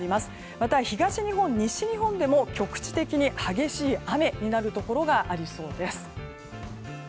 また、東日本、西日本でも局地的に激しい雨になるところがありそうです。